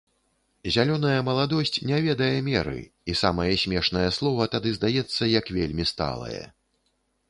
Зялёная маладосць не ведае меры, і самае смешнае слова тады здаецца як вельмі сталае.